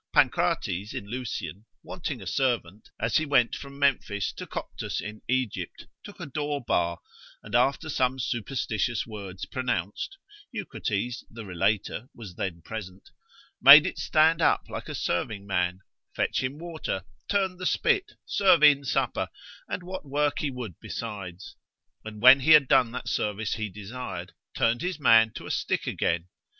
Pancrates in Lucian, wanting a servant as he went from Memphis to Coptus in Egypt, took a door bar, and after some superstitious words pronounced (Eucrates the relator was then present) made it stand up like a serving man, fetch him water, turn the spit, serve in supper, and what work he would besides; and when he had done that service he desired, turned his man to a stick again.